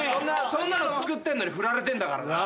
そんなの作ってるのに振られてんだからな。